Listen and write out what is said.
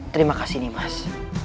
terima kasih mas